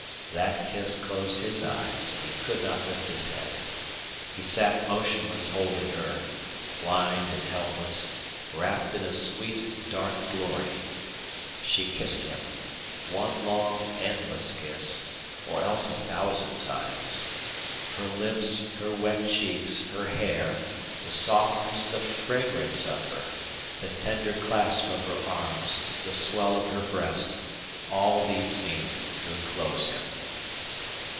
That kiss closed his eyes, and he could not lift his head. He sat motionless holding her, blind and helpless, wrapped in a sweet dark glory. She kissed him one long endless kiss or else a thousand times. Her lips, her wet cheeks, her hair, the softness, the fragrance of her, the tender clasp of her arms, the swell of her breast all these seemed to inclose him.